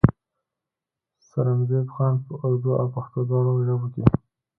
سرنزېب خان پۀ اردو او پښتو دواړو ژبو کښې